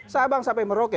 sabang sampai merauke